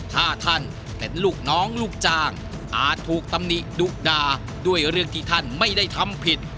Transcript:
ถ้าท่านเป็นลูกน้องลูกจ้างอาจถูกตำหนิดุดาด้วยเรื่องที่ท่านไม่ได้ทำผิด